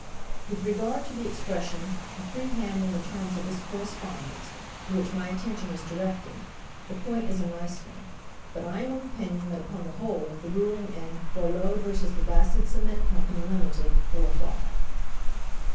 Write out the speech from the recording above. With regard to the expression, 'a free hand in the terms of this correspondence,' to which my attention is directed, the point is a nice one; but I am of opinion that upon the whole the ruling in 'Boileau v. The Blasted Cement Co., Ltd.,' will apply."